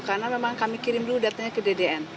karena memang kami kirim dulu datanya ke ddn